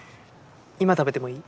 今食べてもいい？